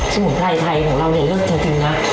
สูตรใยไทยของเราเนี่ยเลือกจริงนะ